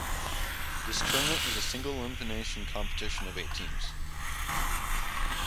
This tournament is a single elimination competition of eight teams.